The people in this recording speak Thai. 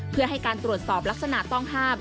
เพื่อให้การตรวจสอบลักษณะต้องห้าม